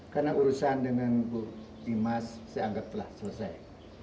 karena urusan dengan bu dimas saya anggap telah selesai